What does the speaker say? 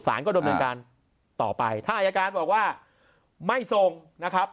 ก็ดำเนินการต่อไปถ้าอายการบอกว่าไม่ส่งนะครับ